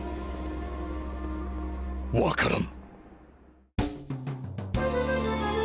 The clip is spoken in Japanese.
分からん。